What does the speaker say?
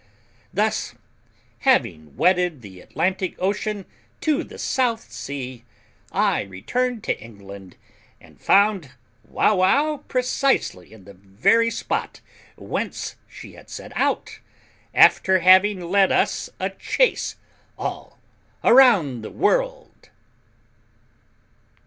Thus having wedded the Atlantic Ocean to the South Sea, I returned to England, and found Wauwau precisely in the very spot whence she had set out, after having led us a chase all round the world.